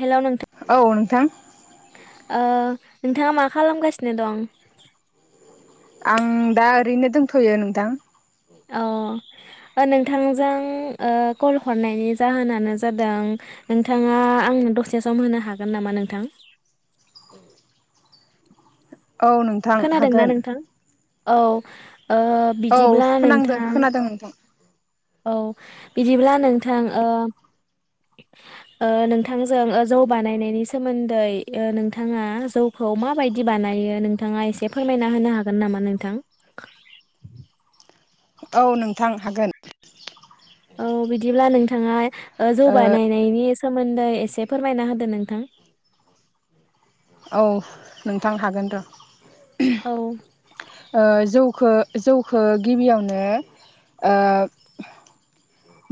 Hello नोंथां औ नोंथां ओ नोंथाङा मा खालामगासिनो दं? आं दा ओरैनो दंथ'यो नोंथां [inaudible] नोंथांजों ओ कल हरनायनि जाहोनानो जादों नोंथाङा आंनो दसे सम होनो हागोन नामा नोंथां? औ नोंथां खोनादोंना हागोन। नोंथां औ ओ औ बिदिब्ला खोनांदों नोंथां खोनादों नोंथां औ बिदिब्ला नोंथां ओ ओ नोंथांजों ओ जौ बानायनायनि सोमोन्दै ओ नोंथाङा जौ खौ माबायदि बानायो नोंथाङा एसे फोरमायना होनो हागोन नामा नोंथां? [inaudible] औ नोंथां हागोन। औ बिदिब्ला नोंथाङा ओ जौ बानायनायनि सोमदै सोमोन्दै एसे फोरमायना होदो नोंथां? औ नोंथां हागोन र' औ ओ जौखो जौखो गिबियावनो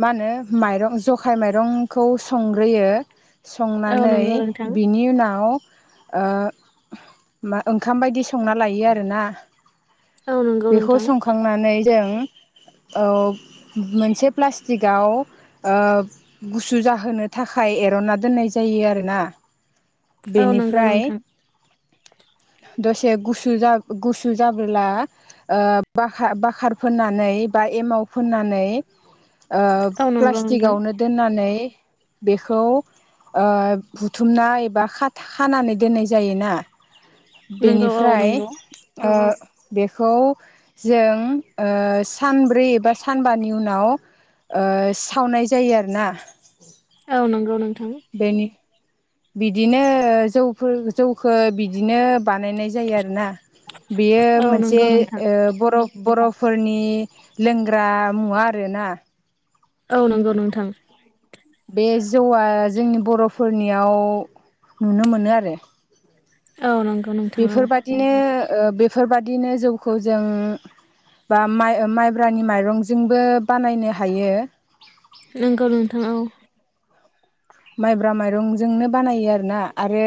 मा होनो माइरं जखाय माइरंखौ संग्रोयो औ संनानै नंगौ नोंथां बिनि उनाव ओ मा ओंखाम बायदि संना लायो आरोना औ नंगौ बेखौ नोंथां संखांनानै जों औ मोनसे प्लास्टिकआव गुसु जाहोनो थाखाय एर'ना दोननाय जायो आरोना औ नंगौ बेनिफ्राय नोंथां [unintelligible] दसे गुसु जा गुसु जाबोला बाखार बाखार फोननानै बा एमाव फोननानै औ नंगौ नोंथां प्लास्टिकआवनो दोननानै बेखौ बुथुमनाय एबा खानानै दोननाय जायोना नंगौ औ बेनिफ्राय नंगौ बेखौ जों सानब्रै एबा सानबानि उनाव ओ सावनाय जायो आरोना औ नंगौ नं बेनि बिदिनो जौफोर जौखौ बिदिनो बानायनाय जायो आरोना बेयो औ मोनसे नंगौ नोंथां बर' बर'फोरनि लोंग्रा मुवा आरोना औ नंगौ नोंथां बे जौआ जोंनि बर'फोरनियाव नुनो मोनो आरो औ नंग बेफोरबादिनो बेफोरबाददिनो जौखौ जों बा माइ माइब्रानि माइरंजोंबो बानायनो हायो नंगौ नोंथां औ माइब्रा माइरंजोंनो बानायो आरोोना आरो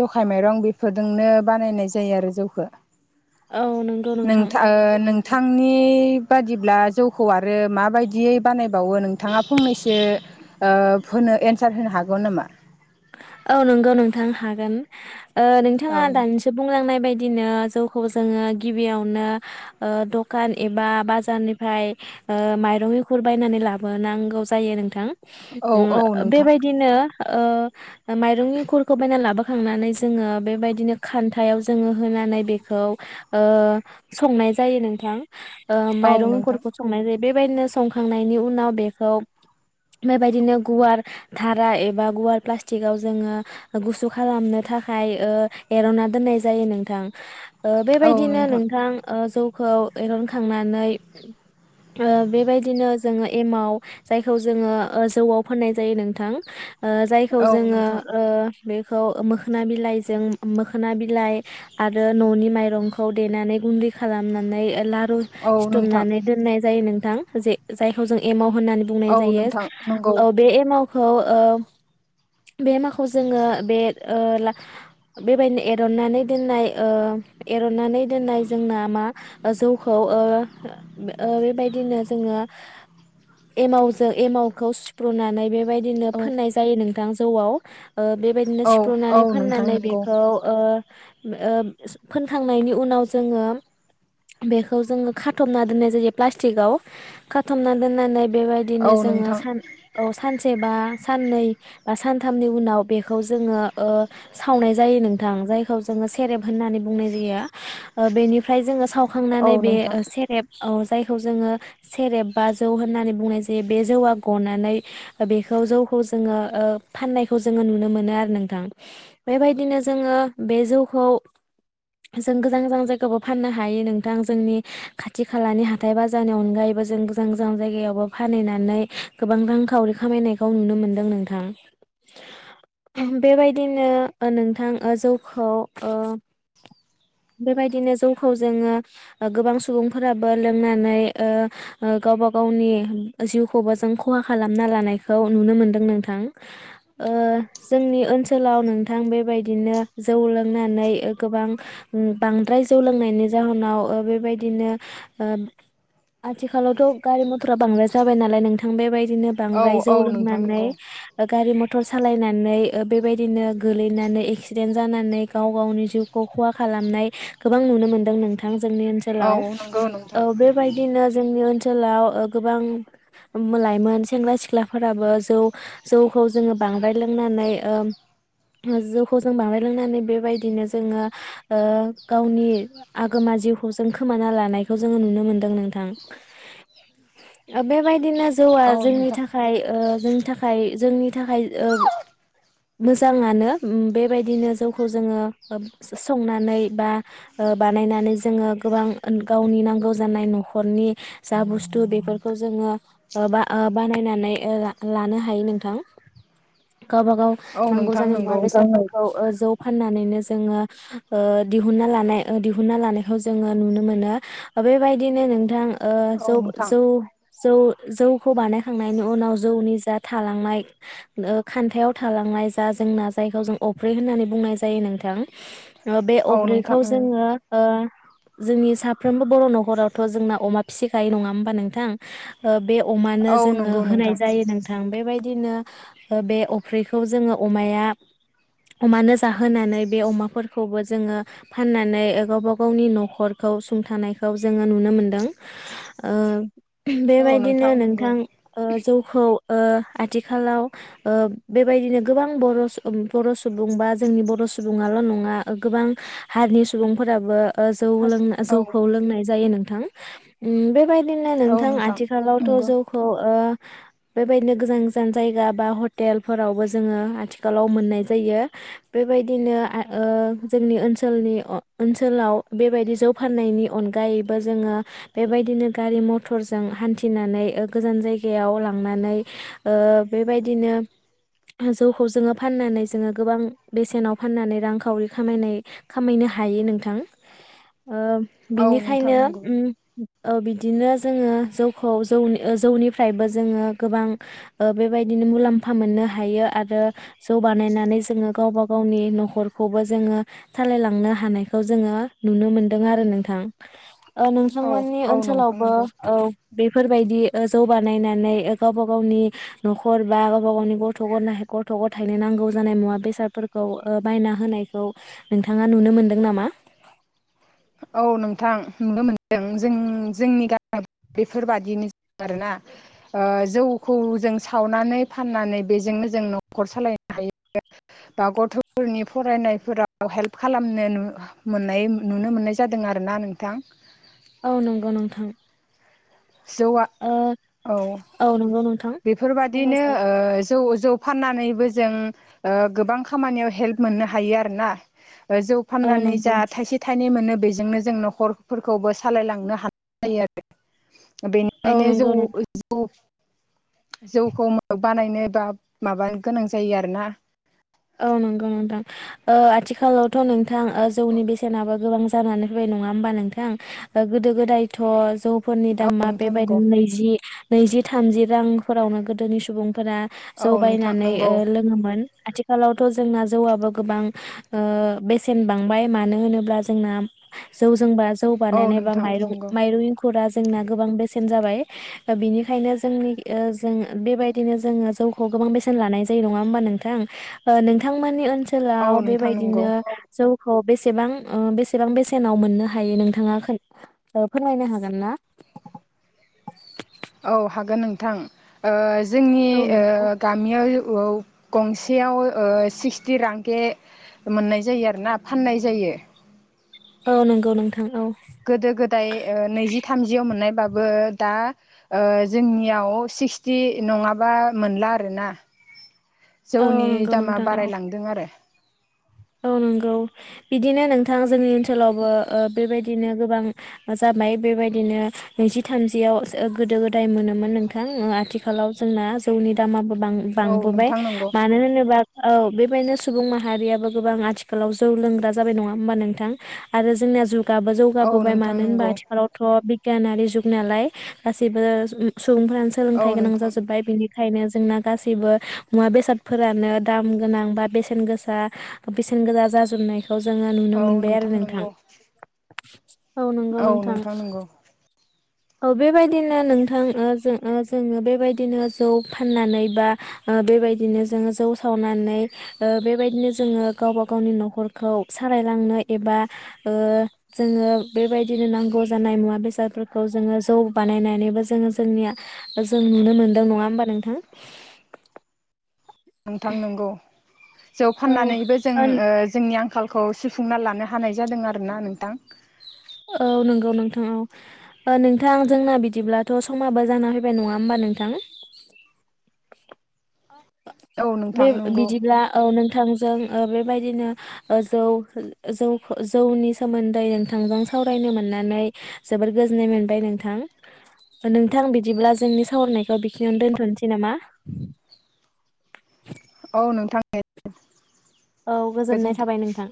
जखाय माइरं बेफोरजोंनो बानायनाय जायो आरो जौखो औ नंगौ नोंथां नोंथा नों थांनि बादिब्ला जौखौ आरो माबायदियै बानायबावो नोंथाङा फंनैसो होनो एन्सार होनो हागौ नामा औ नंगौ नोंथां हागोन औ नोंथाङा दानिसो बुंलांनाय बायदि बिदिनो जौखौ जोङो गिबियावनो दखान एबा बाजारनिफ्राय माइरं इखुर बायनानै लाबोनांगौ जायो नोंथां औ औ नोंथां बेबायदिनो माइरंनिंखुरखौ बायनानै लाबोखांनानै जोङो बेबायदिनो खान्थायाव जोङो होनानै बेखौ संनाय जायो नोंथां औ नोंथां माइरंफोरखौ संनाय जायो बेबायदिनो संखांनायनि उनाव बेखौ बेबायदिनो गुवार धारा एबा गुवार प्लास्टिकाव जोङो गुसु खालामनो थाखाय एर'ना दोननाय जायो नोंथां ओ बेबायदिनो नोंथां ओ जौखौ एरनखांनानै ओ बेबायदिनो जोङो एमाव जायखौ जोङो ओ जौआव फाननाय जायो नोंथां ओ खौ औ जोङो नोंथां ओ बेखौ मोखोना बिलाइजों मोखोना बिलाइ आरो न'नि माइरंखौ देनानै गुन्दै खालामनानै लारु औ नोंथां सिथुमनानै दोननाय जायो नोंथां जे जायखौ जों एमाव होननानै बुंनाय औ जायो। नोंथां नंगौ ओ बे एमावखौ ओ बे माखौ जोङो बे ओ ला बेबायदिनो एरननानै दोननाय ओ एरनानै दोननाय जोंना मा ओ जौखौ ओ-ओ बेबायदिनो जों ङो एमावजों एमावखौ सुफ्रुनानै बे बेबायदिनो औ फोननाय जायो नोंथां जौआव ओ बेबायदिनो औ औ सिफ्रुनानै नोंथां फोननानै नंगौ बेखौ ओ ओ फोनखांनायनि उनाव जोङो बेखौ जोङो खाथबना दोननाय जायो प्लास्टिकआव खाथबना दोननानै औ बेबायदिनो जोङो नोंथां सान औ सानसे बा साननै बा सानथामनि उनाव बेखौ जोङो ओ सावनाय जायो नोंथां जायखौ जोङो सेरेब होननानै बुंनाय ज [inaudible] ओ बेनिफ्राय जोङो औ सावखांनानै बे नोंथां सेरेब ओ जायखौ जोङो सेरेब बा जौ होननानै बुंनाय जायो बे जौआ गनानै बेखौ जौ खौ जोङो ओ फाननायखौ जोङो नुनो मोनो आरो नोंथां बेबायदिनो जोङो बे जौखौ जों गोजान गोजान जायगायावबो फाननो हायो नोंथां जोंनि खाथि खालानि हाथाय बाजारनि अनगायैबो जों गोजान गोजान जायगायावबो फानहैनानै गोबां रांखावरि खामायनायखौ नुनो मोनदों नोंथां। [unintelligible] बेबायदिनो नोंथां ओ जौखौ ओ बेबायदिनो जौखौ जोङो गोबां सुबुंफोराबो लोंनानै ओ-ओ गावबा गावनि जिउखौबो जों खहा खालामना लानायखौ नुनो मोनदों नोंथां। ओ जोंनि ओनसोलाव नोंथां बेबायदिनो जौ लोंनानै गोबां बांद्राय जौ लोंनायनि जाहोनाव ओ बेबायदिनो ओ आथिखालावथ' गारि मथरा बांद्राय जाबाय नालाय नोंथां बेबायदि नो औ बांद्राय जौ औ नोंथां लोंनानै नंगौ ओ गारि मथर सालायनानै बेबायदिनो गोलैनानै एक्सिडेन्ट जानानै गाव गावनि जिउखौ खहा खालामनाय गोबां नुनो मोनदों नोंथां। जोंनि औ ओनसोलाव नंगौ ओ नोंथां बेबायदिनो जोंनि ओनसोलाव गोबां लायमोन सेंग्रा सिख्लाफोराबो जौ जौखौ जोङो बांद्राय लोंनानै ओ जौखौ जों बांद्राय लोंनानै बेबायदिनो जोङो ओ गावनि आगोमा जिउखौ जों खोमाना लानायखौ जोङो नुनो मोनदों नोंथां। बे बायदिनो जौआ औ जोंनि नोंथां थाखाय ओ जोंनि थाखाय जोंनि थाखाय ओ मोजाङानो बेबायदिनो जौखौ जोङो संनानै बा बानायनानै जोङो गोबां गावनि नांगौ जानाय न'खरनि जा बुस्थु बेफोरखौ जोङो ओ-ओ बानायनानै ला-ला लानो हायो नोंथां। गावबागाव औ नांगौ नोंथां जानाय मुवा नंगौ बेसादफोरखौ जौ फाननानैनो जोङो ओ दिहुनना लानाय दिहुनना लानायखौ जोङो नुनो मोनो। बेबायदिनो नोंथां औ जौ नोंथां जौ जौ जौखौ बानायखांनायनि उनाव जौनि जात थालांनाय खान्थायाव थालांनाय जा जोंना जायखौ जों अफ्रि होननानै बुंनाय जायो नोंथां। बे औ नोंथां अफ्रिखौ उम जोङो ओ जोंनि साफ्रोमबो बर' न'खरावथ' जोंना अमा फिसिखायो नङा होमबा नोंथां ओ बे अमानो औ जोङो नंगौ होनाय नोंथां जायो नोंथां। बेबायदिनो बे अफ्रिखौ जोङो अमाया अमानो जाहोनानै बे अमाफोरखौबो जोङो फाननानै गावबा गावनि न'खरखौ औ सुंथानायखौ जोङो नुनो मोनदों ।ओ औ बेबायदिनो नंगौ नोंथां ओ जौखौ ओ आथिखालाव ओ बेबायदिनो गोबां बर' बर' सुबुं बा जोंनि बर' सुबुङाल' नङा गोबां हारिनि सुबुंफोराबो ओ जौ हास लों औ जौखौ लोंनाय जायो नोंथां। उम बेबाय दि औ नोंथां आथिखालावथ' नंगौ जौखौ ओ बेबायदिनो गोजान गोजान जायगा बा हटेलफोरावबो जोङो आथिखालाव मोननाय जायो। बे बेबायदिनो आ ओ जोंनि ओनसोलनि ओनसोलाव बेबायदि जौ फाननायनि अनगायैबो जोङो बेबायदिनो गारि मथरजों हान्थिनानै ओ गोजान जाय गायाव लांनानै ओ बेबायदिनो जौखौ जोङो फाननानै जोङो गोबां बेसेनाव फाननानै रांखावरि खामायनाय खामायनो हायो नोंथां ।ओ औ नोंथां बिनिखायनो नंगौ उम ओ बिदिनो जोङो जौखौ जौनि जौनिफ्रायबो जोङो गोबां ओ बेबायदिनो मुलाम्फा मोननो हायो आरो जौ बानायनानै जोङो गावबा गावनि न'खरखौबो जोङो सालायलांनो हानायखौ जोङो नुनो मोनदों आरो नोंथां । ओ औ नोंथांमोननि औ नोंथां ओनसोलावबो नंगौ औ बेफोरबायदि ओ जौ बानायना नै ओ गावबा गावनि न'खर बा गावबा गावनि गथ' गनाय गथ' ग थायनो नांगौ जानाय मुवा बे सातफोरखौ ओ बायना होनायखौ नोंथाङा नुनो मोनदों नामा? औ नोंथां नुनो मोनदों जों जोंनि गामि बेफोरबादिनो आरोना । ओ जौखौ जों सावनानै फाननानै बेजोंनो जों न'खर सालायनो हायो बा गथ'फोरनि फरायनायफोराव हेल्प खालामनो नु मोननाय नु नुनो मोननाय जादों आरोना नोंथां । औ नंगौ नोंथां । जौआ औ नंगौ नोंथां बेफोरबादिनो बुंनायसाय ओ जौ जौ फाननानैबो जों ओ गोबां खामानियाव हेल्प मोननो हायो आरोना । जौ औ फाननानै नंगौ जा थाइसे थाइनै मोनो बेजोंनो जों न'खरफोरखौबो सालायलांनो हानाय जायो आरो । औ बेनिखायनो जौ नंगौ जौ जौखौ बानायनोबा माबानो गोनां जायो आरोना । औ नंगौ नोंथां ओ आथिखालावथ' नोंथां ओ जौनि बेसेनाबो गोबां जानानै फैदों नङा होनबा नोंथां ओ गोदो गोदायथ' जौफोरनि औ दामा नोंथां नंगौ बेबायदिनो नैजि नैजि थामजि रांफोरावनो गोदोनि सुबुं फोरा औ जौ नोंथां बायनानै नंगौ ओ लोङोमोन ।आथिखाल थिखालावथ' जोंना जौआबो गोबां ओ बेसेन बांबाय मानो होनोब्ला जोंना जौजोंबा जौ औ बानायनाय बा नोंथां माइरं नंगौ माइरं इंखु फोरा जोंना गोबां बेसेन जाबाय बेनिखायनो जोंनि ओ जों बेबायदिनो जोङो जौखौ गोबां बेसेन लानाय जायो नङा होमबा नोंथां? ओ नोंथांमोननि औ ओनसोलाव नोंथां नंगौ बेबायदिनो जौ खौ बेसेबां ओ बेसेबां बेसेनाव मोननो हायो नोंथाङा खोन ओ फोरमायनो हागोन ना? [inaudible] औ हागोन नोंथां ओ जोंनि औ ओ नंगौ गामियाव औ गंसेयाव सिक्सटि रांके मोननाय जायो आरोना फाननाय जायो । के [unintelligible] औ नंगौ नोंथां औ । गोदो गोदाय ओ नैजि थामजियाव मोननायबाबो दा ओ जोंनियाव सिक्सटि नङाबा मोनला आरोना । [inaudible] औ जौनि नंगौ दामा नोंथां औ बारायलांदों आरो । औ नंगौ बिदिनो नोंथां जोंनि ओनसोलावबो ओ बेबायदि दिनो गोबां जाबाय बेबायदिनो नैजि थामजियावसो गोदो गोदाय मोनोमोन नोंथां। उम आथिखालाव जोंना जौनि दामाबो औ बां-बांबोबाय नोंथां नंगौ मानो होनोबा औ बेबायदिनो सुबुं माहारियाबो गोबां आथिखालाव जौ लोंग्रा जाबाय नङा होमबा नोंथां आरो जोंनिया जुग गाबो औ जौगाबोबाय नोंथां मानो होनबा नंगौ आथिखालावथ' बिगियानारि जुग नालाय गासैबो [inaudible] सुबुंफोरानो औ सोलोंथाइ गोनां नोंथां जाजोब्बाय बिनि खायनो जोंना गासैबो मुवा बेसादफोरानो दाम गोनां बा बेसेन गोसा बेसेन गोजा जाजोबनायखौ जोङो नुनो औ मोनबाय आरो नोंथां। नंगौ औ नंगौ नोंथां। औ बेबायदिनो नोंथां ओ जो जोङो बेबायदिनो जौ फाननानै बा ओ ओ बेबायदिनो जोङो जौ सावनानै ओ बेबायदिनो जोङो गावबा गावनि न'खरखौ सारा लांनो एबा ओ जोङो बेबायदिनो नांगौ जानाय मुवा बेसादफोर खौ जोङो जौ बानायनानैबो जोङो जोंनिया जों नुनो मोनदों नङा होमबा नोंथां? [inaudible] नोंथां नोंगौ जौ औ फाननानैबो जों ओ जोंनि आं खालखौ सुफुंना लानो हानाय जादों आरो ना नोंथां। औ नंगौ नोंथां औ नोंथां जोंना बिदिब्लाथ' समाबो जाना फैबाय नङा होमबा नोंथां औ [inaudible] बे नोंथां नंगौ बिदिब्ला औ नों नोंथांजों ओ बेबायदिनो जौ जौ जौनि सोमोन्दै नोंथांजों सावरायनो मोननानै जबोद गोजोननाय मोनबाय नोंथां। नोंथां बिदिब्ला जोंनि सावरायनायखौ बेखिनियावनो दोन्थ'नोसै नामा? [inaudible] औ नोंथां [inaudible] औ गोजोननाय गोजोन्थों थाबाय नोंथां।